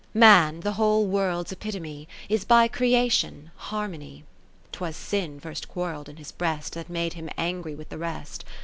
V Man, the whole World's epitome. Is by creation Harmony. 'Twas Sin first quarrell'd in his breast, Then made him angry with the rest.